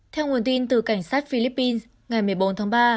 theo nguồn tin từ cảnh sát philippines ngày một mươi bốn tháng ba